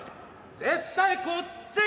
絶対こっち！